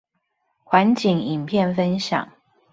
環景影片分享